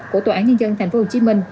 của tòa án nhân dân tp hcm